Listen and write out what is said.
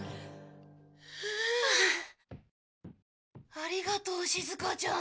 ありがとうしずかちゃん。